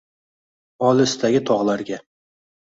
Olisdagi tog’larga